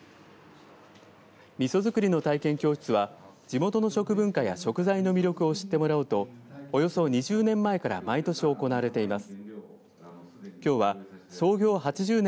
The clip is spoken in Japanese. みそ造りの体験教室は地元の食文化や食材の魅力を知ってもらおうとおよそ２０年前から毎年行われています。